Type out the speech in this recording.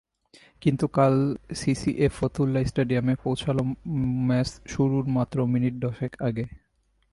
কিন্তু কাল সিসিএস ফতুল্লা স্টেডিয়ামে পৌঁছাল ম্যাচ শুরুর মাত্র মিনিট দশেক আগে।